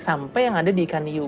sampai yang ada di ikan hiu